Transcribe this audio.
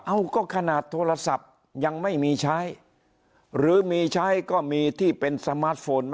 เอาก็ขนาดโทรศัพท์ยังไม่มีใช้หรือมีใช้ก็มีที่เป็นสมาร์ทโฟน